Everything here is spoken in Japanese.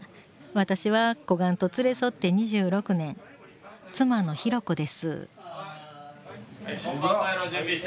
私は小雁と連れ添って２６年妻の寛子です